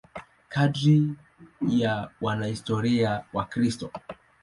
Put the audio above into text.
Kadiri ya wanahistoria Wakristo.